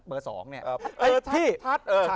เบอร์๒เนี่ย